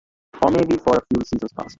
Or maybe for a few seasons past.